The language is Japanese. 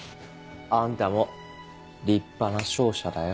あんたも立派な勝者だよ。